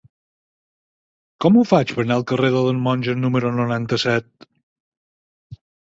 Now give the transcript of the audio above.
Com ho faig per anar al carrer de les Monges número noranta-set?